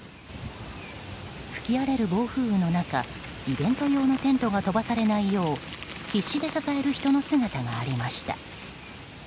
吹き荒れる暴風雨の中イベント用のテントが飛ばされないよう必死で支える人の姿がありました。